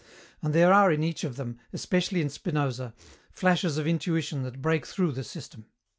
And there are in each of them, especially in Spinoza, flashes of intuition that break through the system.